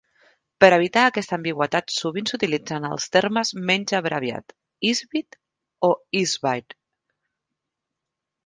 Per evitar aquesta ambigüitat, sovint s'utilitzen els termes menys abreviats "Isbit" o "Isbyte".